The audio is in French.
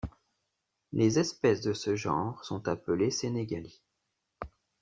Les espèces de ce genre sont appelées Sénégali.